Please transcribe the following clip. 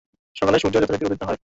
সকালে সূর্য যথারীতি উদিত হয়।